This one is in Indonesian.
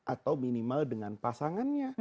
atau minimal dengan pasangannya